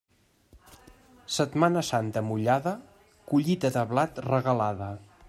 Setmana Santa mullada, collita de blat regalada.